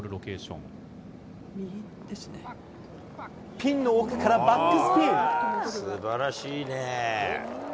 ピンの奥からバックスピン。